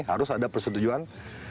harus ada persetujuan